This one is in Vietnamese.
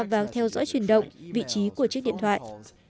và theo dõi chuyển động vị trí của chiếc điện thoại